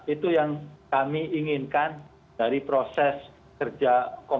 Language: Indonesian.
itu yang kami inginkan dari proses kerja